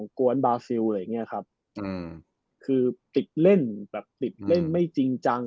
กวนบาซิลอะไรอย่างเงี้ยครับอืมคือติดเล่นแบบติดเล่นไม่จริงจัง